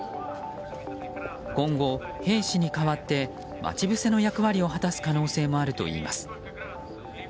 今後、兵士に代わって待ち伏せの役割を果たす可能性もあるといいます。